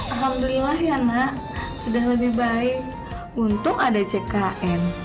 alhamdulillah ya nak sudah lebih baik untuk ada ckn